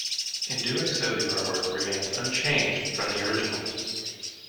In doing so the artwork remained unchanged from the original.